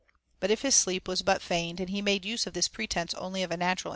But if his sleep wras but feigned, and he made use of this pretence only of a natural * Odyss.